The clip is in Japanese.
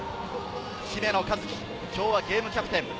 姫野和樹、きょうはゲームキャプテン。